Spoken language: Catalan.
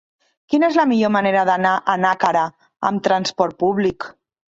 Quina és la millor manera d'anar a Nàquera amb transport públic?